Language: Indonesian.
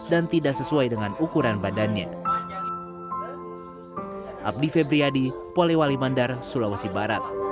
dan tidak sesuai dengan ukuran badannya